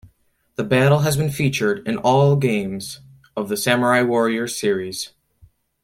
The battle has been featured in all games of the "Samurai Warriors" series.